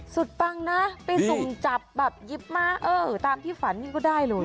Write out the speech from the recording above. สุดปังนะไปสูงจับเย็บมาตามที่ฝันก็ได้เลย